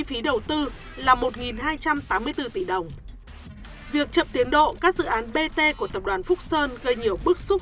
phí đầu tư là một hai trăm tám mươi bốn tỷ đồng việc chậm tiến độ các dự án bt của tập đoàn phúc sơn gây nhiều bức xúc